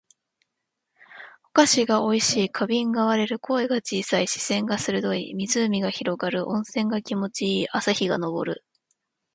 お菓子が美味しい。花瓶が割れる。声が小さい。視線が鋭い。湖が広がる。温泉が気持ち良い。朝日が昇る。